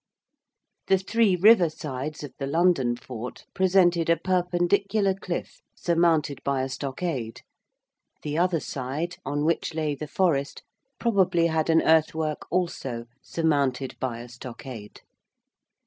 The three river sides of the London fort presented a perpendicular cliff surmounted by a stockade, the other side, on which lay the forest, probably had an earthwork also surmounted by a stockade.